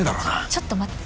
ちょっと待って。